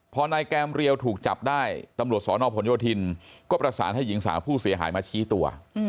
พอนายแกมเรียวถูกจับได้ตำรวจสอนอผลโยธินก็ประสานให้หญิงสาวผู้เสียหายมาชี้ตัว